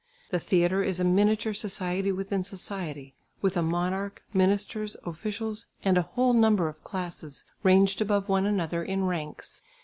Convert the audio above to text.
The theatre is a miniature society within society, with a monarch, ministers, officials, and a whole number of classes, ranged above one another in ranks.